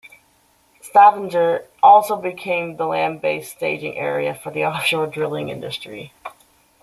Stavanger also became the land-based staging area for the offshore drilling industry.